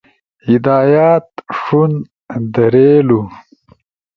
ہدایات، ݜُون، دھیریلو